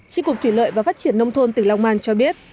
chính cục thủy lợi và phát triển nông thôn tỉnh long man cho biết